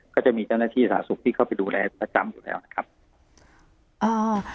ก็จะมีเจ้าหน้าที่สาธารณสุขที่เข้าไปดูแลประจำอยู่แล้วนะครับอ่า